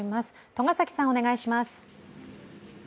栂崎さん、お願いします。